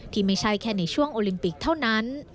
ที่ไม่ใช่แค่ในช่วงโอลิมปิกเท่านั้น